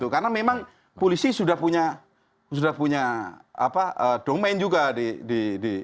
karena memang polisi sudah punya domain juga di